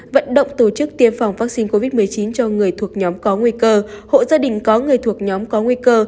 vận động tổ chức tiêm phòng vaccine covid một mươi chín cho người thuộc nhóm có nguy cơ hộ gia đình có người thuộc nhóm có nguy cơ